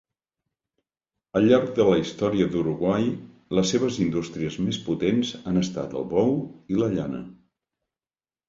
Al llarg de la història d'Uruguai, les seves indústries més potents han estat el bou i la llana.